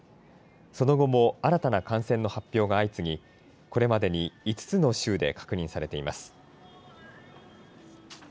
その後も新たな感染の発表が相次ぎ、これまでに５つの州で確認されています。